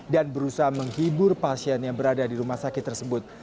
dan berusaha menghibur pasien yang berada di rumah sakit tersebut